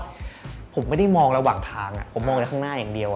ผมไม่ได้มองระหว่างทางผมมองไปข้างหน้าอย่างเดียว